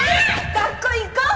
学校行こう！